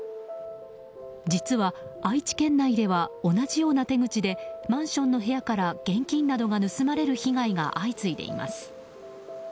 実は、愛知県内では同じような手口でマンションの部屋から現金などが盗まれる被害が相次いでいます。